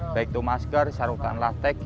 baik itu masker sarung tanlah